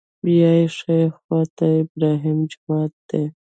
بیا ښي خوا ته ابراهیمي جومات دی.